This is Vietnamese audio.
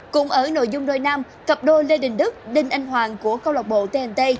cũng ở nội dung đôi nam cặp đôi lê đình đức đinh anh hoàng của câu lạc bộ tnt